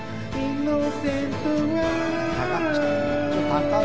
高い。